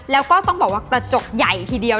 แล้วก็ต้องบอกว่ากระจกใหญ่ทีเดียว